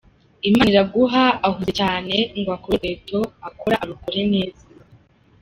Imaniraguha ahuze cyane ngo urukweto akora arukore neza.